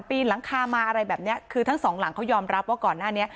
ปีนหลังคามาอะไรแบบเนี้ยคือทั้งสองหลังเขายอมรับว่าก่อนหน้านี้